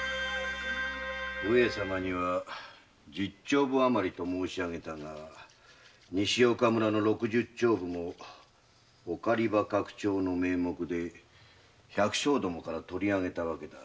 上様には十町歩あまりと申しあげたが西岡村の六十町歩もお狩場拡張の名目で百姓どもから取りあげた。